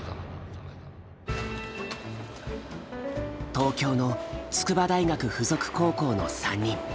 東京の筑波大学附属高校の３人。